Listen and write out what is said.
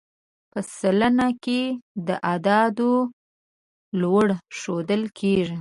په سلنه کې دا عدد ډېر لوړ ښودل کېږي.